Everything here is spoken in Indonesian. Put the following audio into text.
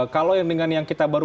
kalau dengan yang kita baru